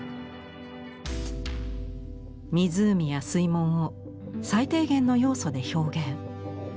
湖や水門を最低限の要素で表現。